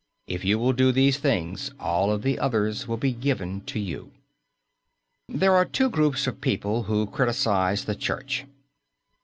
"If you will do these things, all of the others will be given to you." There are two groups of people who criticize the Church.